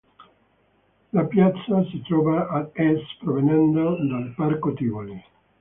La piazza si trova ad est provenendo dal parco Tivoli.